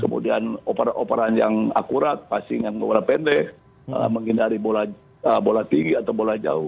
kemudian operan operan yang akurat passing yang bola pendek menghindari bola tinggi atau bola jauh